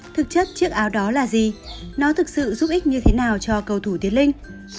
thực chất chiếc áo đó là gì nó thực sự giúp ích như thế nào cho cầu thủ tiến linh